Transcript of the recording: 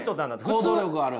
行動力ある。